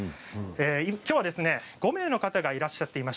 今日は５名の方がいらっしゃっています。